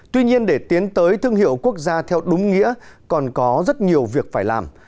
tuy nhiên để tiến tới thương hiệu quốc gia theo đúng nghĩa còn có rất nhiều việc phải làm